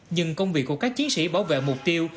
nhưng công việc của các chiến sĩ bảo vệ mục tiêu